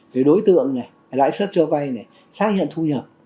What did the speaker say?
cái đối tượng này lãi xuất cho vay này xác nhận thu nhập